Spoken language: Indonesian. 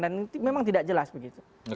dan memang tidak jelas begitu